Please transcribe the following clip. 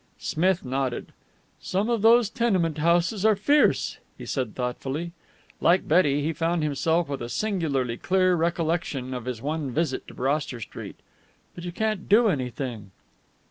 Smith nodded. "Some of those tenement houses are fierce," he said thoughtfully. Like Betty, he found himself with a singularly clear recollection of his one visit to Broster Street. "But you can't do anything."